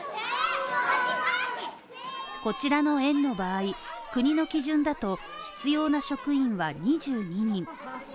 こちらの園の場合、国の基準だと必要な職員は２２人。